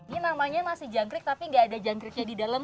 ini namanya nasi jangkrik tapi gak ada jangkriknya di dalam